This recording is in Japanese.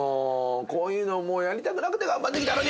こういうのもうやりたくなくて頑張ってきたのに！